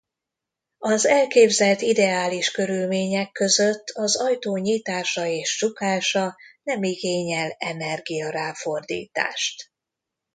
Az elképzelt ideális körülmények között az ajtó nyitása és csukása nem igényel energia-ráfordítást.